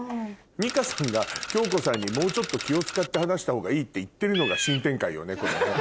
美香さんが恭子さんにもうちょっと気を使って話したほうがいいって言ってるのが新展開よねこれね。